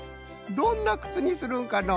どんなくつにするんかのう？